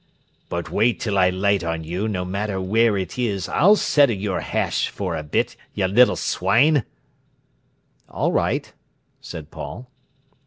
"But wait till I light on you, no matter where it is, I'll settle your hash for a bit, yer little swine!" "All right," said Paul.